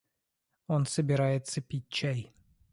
Он собирается пить чай!